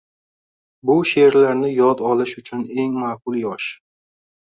Bu sheʼrlarni yod olish uchun eng maʼqul yosh.